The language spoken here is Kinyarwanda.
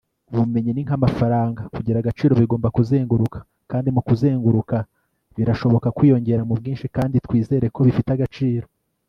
ubumenyi ni nk'amafaranga kugira agaciro bigomba kuzenguruka, kandi mu kuzenguruka birashobora kwiyongera mu bwinshi kandi, twizere ko bifite agaciro